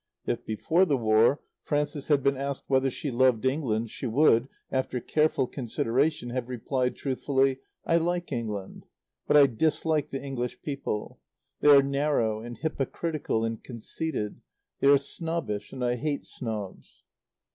If, before the War, Frances had been asked whether she loved England, she would, after careful consideration, have replied truthfully, "I like England. But I dislike the English people. They are narrow and hypocritical and conceited. They are snobbish; and I hate snobs."